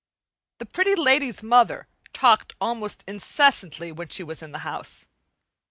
The Pretty Lady's mother talked almost incessantly when she was in the house.